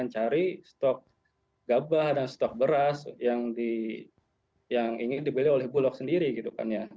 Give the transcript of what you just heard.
cari stok gabah dan stok beras yang ingin dibeli oleh bulog sendiri gitu kan ya